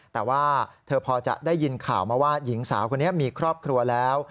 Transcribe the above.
แต่ว่าเธอพอจะได้ยินข่าวมาว่าหญิงสาวคนนี้มีครอบครัวแล้ว